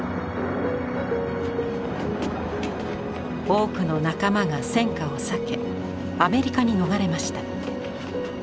多くの仲間が戦火を避けアメリカに逃れました。